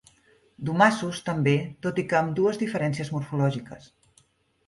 Domassos, també, tot i que amb dues diferències morfològiques.